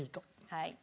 はい。